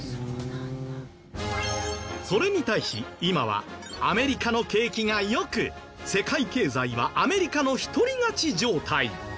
それに対し今はアメリカの景気が良く世界経済はアメリカの一人勝ち状態。